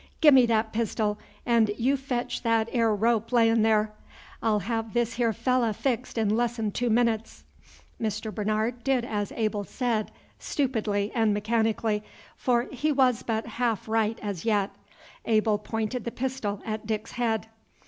"Gi' me that pistil, and yeou fetch that 'ere rope layin' there. I 'll have this here fellah fixed 'n less 'n two minutes." Mr. Bernard did as Abel said, stupidly and mechanically, for he was but half right as yet. Abel pointed the pistol at Dick's head.